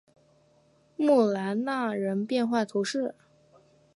穆兰纳人口变化图示